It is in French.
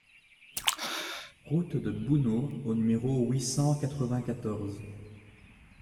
Route de Bouneau au numéro huit cent quatre-vingt-quatorze